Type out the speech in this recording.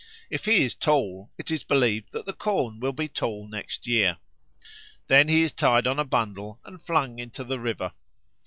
If he is tall, it is believed that the corn will be tall next year. Then he is tied on a bundle and flung into the river.